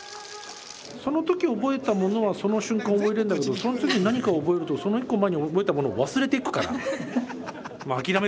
その時、覚えたものはその瞬間覚えられるんだけどその次に何かを覚えるとその１個前に覚えたものを忘れていくから。